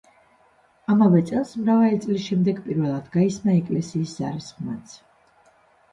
ამავე წელს მრავალი წლის შემდეგ პირველად გაისმა ეკლესიის ზარის ხმაც.